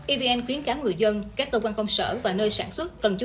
evn khuyến cáo người dân các tổ quân công sở và nơi sản xuất cần chú ý